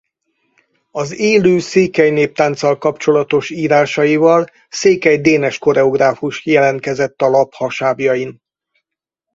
Az élő székely néptánccal kapcsolatos írásaival Székely Dénes koreográfus jelentkezett a lap hasábjain.